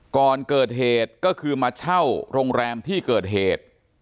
ก่อนเกิดเหตุก็คือมาเช่าโรงแรมที่เกิดเหตุ